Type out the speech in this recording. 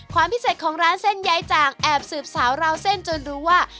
ความพิเศษของร้านเส้นยายจ่างแอบสืบสาวราวเส้นจนรู้ว่า